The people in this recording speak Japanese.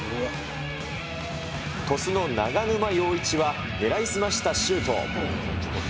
鳥栖の長沼洋一は、狙い澄ましたシュート。